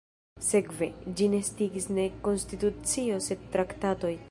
Sekve, ĝin estigis ne konstitucio sed traktatoj.